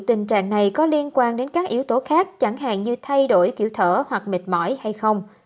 tình trạng này có liên quan đến các yếu tố khác chẳng hạn như thay đổi kiểu thở hoặc mệt mỏi hay không